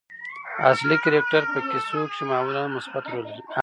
اصلي کرکټر په کیسو کښي معمولآ مثبت رول لري.